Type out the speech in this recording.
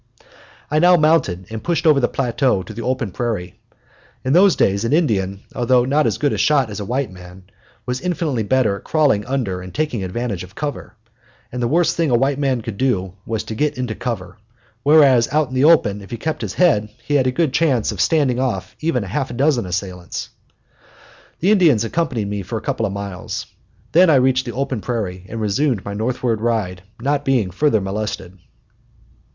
I now mounted and pushed over the plateau on to the open prairie. In those days an Indian, although not as good a shot as a white man, was infinitely better at crawling under and taking advantage of cover; and the worst thing a white man could do was to get into cover, whereas out in the open if he kept his head he had a good chance of standing off even half a dozen assailants. The Indians accompanied me for a couple of miles. Then I reached the open prairie, and resumed my northward ride, not being further molested.